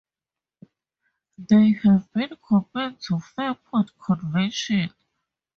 They have been compared to Fairport Convention.